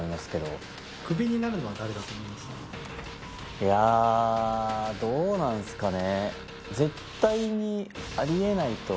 いやどうなんすかね。